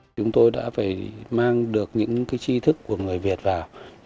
chúng tôi đã phải mang được những chi thức của người việt vào